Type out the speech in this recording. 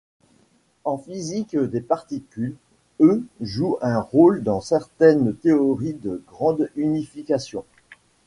En physique des particules, E joue un rôle dans certaines théories de grande unification.